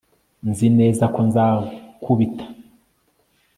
nzi neza ko nzakubita